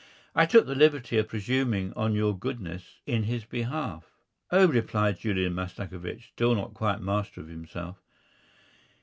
"I took the liberty of presuming on your goodness in his behalf." "Oh," replied Julian Mastakovich, still not quite master of himself.